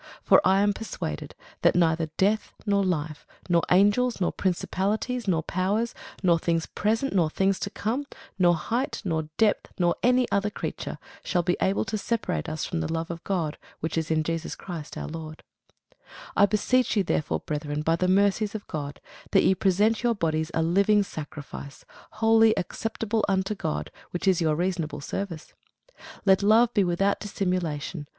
For I am persuaded, that neither death, nor life, nor angels, nor principalities, nor powers, nor things present, nor things to come, nor height, nor depth, nor any other creature, shall be able to separate us from the love of God, which is in Christ Jesus our Lord. [Sidenote: The Acts 20] I beseech you therefore, brethren, by the mercies of God, that ye present your bodies a living sacrifice, holy, acceptable unto God, which is your reasonable service. Let love be without dissimulation.